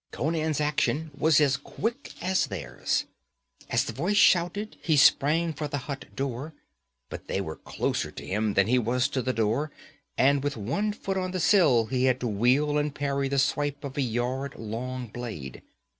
Conan's action was as quick as theirs. As the voice shouted he sprang for the hut door. But they were closer to him than he was to the door, and with one foot on the sill he had to wheel and parry the swipe of a yard long blade.